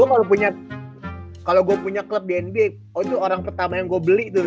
gue kalo punya kalo gue punya club di nba oh itu orang pertama yang gue beli tuh